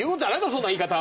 そんな言い方